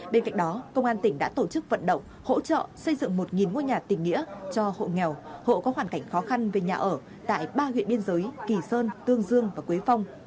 bên cạnh đó công an tỉnh đã tổ chức vận động hỗ trợ xây dựng một ngôi nhà tỉnh nghĩa cho hộ nghèo hộ có hoàn cảnh khó khăn về nhà ở tại ba huyện biên giới kỳ sơn tương dương và quế phong